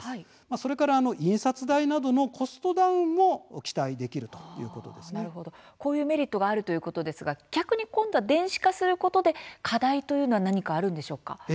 それから印刷代などのコストダウンもこういうメリットがあるということですが逆に電子化することによって課題は何かあるんですか。